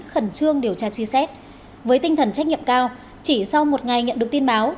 khẩn trương điều tra truy xét với tinh thần trách nhiệm cao chỉ sau một ngày nhận được tin báo